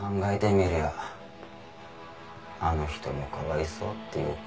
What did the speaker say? みりゃあの人もかわいそうっていうか」